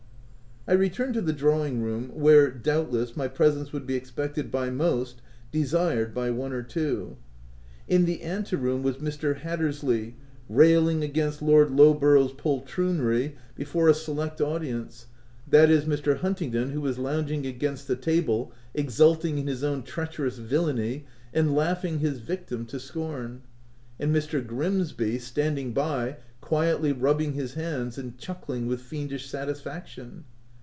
I returned to the drawing room, where, doubtless, my presence would be expected by most, desired by one or two. In the ante room was Mr. Hattersley, railing against Lord Lowborough's poltroonery before a select au 16 THE TENANT dience, viz. Mr. Huntingdon, who was loung ing against the table exulting in his own treacherous villainy and laughing his victim to scorn, and Mr. Grimsby, standing by, quietly rubbing his hands and chuckling with fiendish satisfaction.